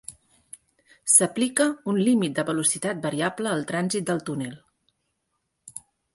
S'aplica un límit de velocitat variable al trànsit del túnel.